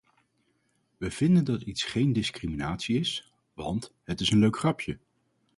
We vinden dat iets geen discriminatie is "want het is een leuk grapje".